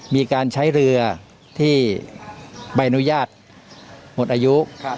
มีการใช้เรือที่ใบอนุญาตหมดอายุ